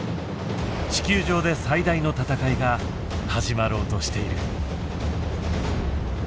地球上で最大の闘いが始まろうとしている。